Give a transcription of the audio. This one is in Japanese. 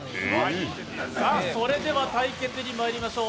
それでは対決にまいりましょう。